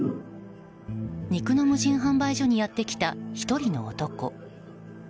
肉の無人販売所にやってきた１人の男。